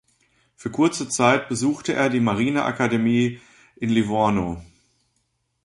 Für kurze Zeit besuchte er die Marineakademie in Livorno.